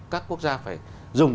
các quốc gia phải dùng